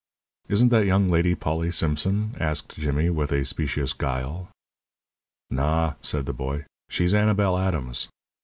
"Isn't that young lady Polly Simpson?" asked Jimmy, with specious guile. "Naw," said the boy. "She's Annabel Adams.